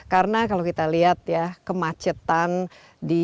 karena kalau kita lihat ya kemacetan di jawa